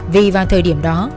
vì vào thời điểm đó